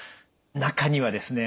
中にはですね